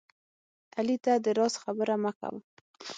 علي ته د راز خبره مه کوه